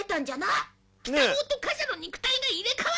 「鬼太郎と火車の肉体が入れ替わったのじゃ」